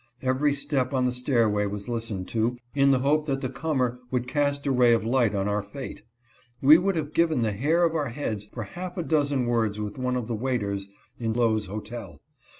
Every step on the stairway was listened to, in the hope that the comer would cast a ray of light on our fate. We would have given the hair of our heads for half a dozen words with one of the waiters in Sol. Lowe's hotel.